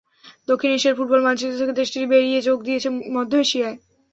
দক্ষিণ এশিয়ার ফুটবল মানচিত্র থেকে দেশটি বেরিয়ে যোগ দিয়েছে মধ্য এশিয়ায়।